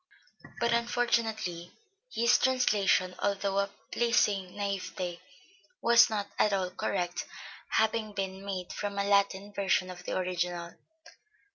but unfortunately his translation, although of a pleasing naïveté, was not at all correct, having been made from a Latin version of the original.